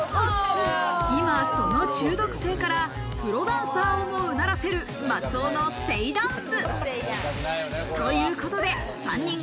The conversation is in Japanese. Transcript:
今、その中毒性からプロダンサーをもうならせる松尾のステイダンス。